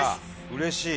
うれしい！